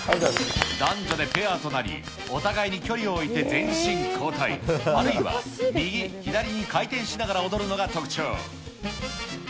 男女でペアとなり、お互いに距離を置いて前進、後退、あるいは右、左に回転しながら踊るのが特徴。